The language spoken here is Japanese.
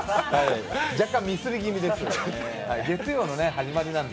若干ミスり気味です。